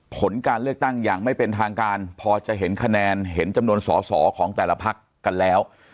ผลการเลือกตั้งอย่างไม่เป็นทางการพอจะเห็นคะแนนเห็นจำนวนสอสอของแต่ละพักกันแล้ว